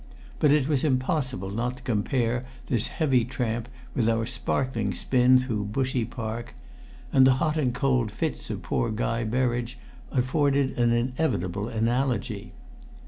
But it was impossible not to compare this heavy tramp with our sparkling spin through Bushey Park. And the hot and cold fits of poor Guy Berridge afforded an inevitable analogy.